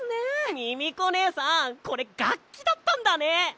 ミミコねえさんこれがっきだったんだね！